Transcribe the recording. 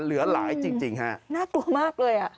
เหลือหลายจริงฮะน่ากลัวมากเลยอ่ะ